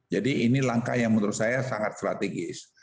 jadi ini langkah yang menurut saya sangat strategis